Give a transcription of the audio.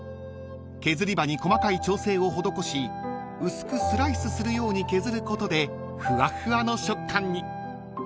［削り刃に細かい調整を施し薄くスライスするように削ることでふわっふわの食感に］